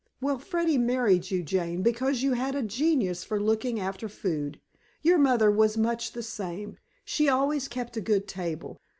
"Well, Freddy married you, Jane, because you had a genius for looking after food. Your mother was much the same; she always kept a good table."